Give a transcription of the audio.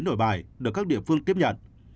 nổi bài được các địa phương tiếp nhận